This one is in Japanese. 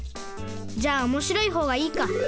じゃあおもしろいほうがいいか。